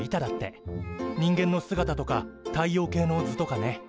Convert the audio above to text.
人間の姿とか太陽系の図とかね。